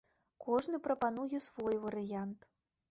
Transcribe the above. Кожны прапануе свой варыянт.